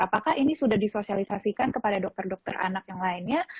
apakah ini sudah disosialisasikan kepada dokter dokter anak yang lainnya